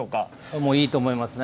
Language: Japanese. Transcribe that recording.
もういいと思いますね。